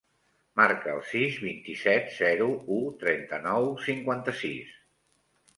Marca el sis, vint-i-set, zero, u, trenta-nou, cinquanta-sis.